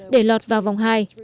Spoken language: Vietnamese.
để lọt vào vòng hai